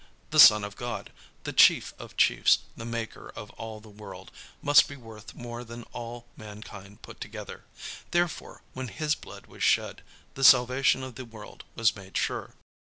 "The Son of God, the Chief of chiefs, the Maker of all the world, must be worth more than all mankind put together; therefore, when His blood was shed, the salvation of the world was made sure."